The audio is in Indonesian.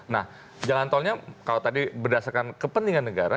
nah jalan tolnya kalau tadi berdasarkan kepentingan negara